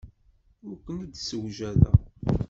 Ur ken-id-ssewjadeɣ.